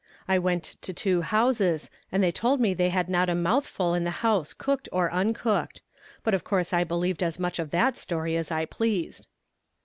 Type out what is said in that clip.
I went to two houses and they told me they had not a mouthful in the house cooked or uncooked but of course I believed as much of that story as I pleased.